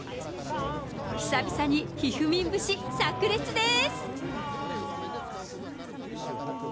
久々にひふみん節、さく裂です。